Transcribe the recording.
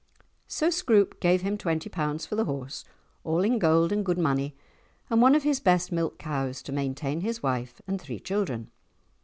So Scroope gave him twenty pounds for the horse, all in gold and good money, and one of his best milk cows to maintain his wife and three children.